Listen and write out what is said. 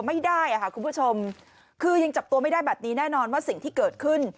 ไม่ได้ค่ะคุณผู้ชมคือยังจับตัวไม่ได้แบบนี้แน่นอนว่าสิ่งที่เกิดขึ้น